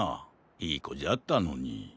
いいこじゃったのに。